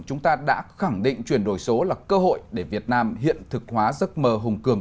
chúng ta đã khẳng định chuyển đổi số là cơ hội để việt nam hiện thực hóa giấc mơ hùng cường